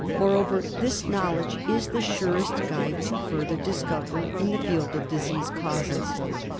Moreover, this knowledge is the surest guide to further discovery in the field of disease causes.